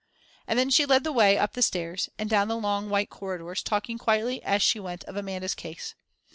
And then she led the way up the stairs, and down the long white corridors, talking quietly as she went of Amanda's case.